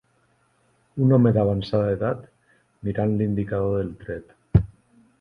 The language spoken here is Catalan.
Un home d"avançada edat mirant l"indicador del tret.